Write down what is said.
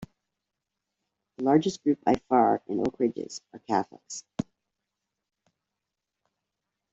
The largest group by far in Oak Ridges are Catholics.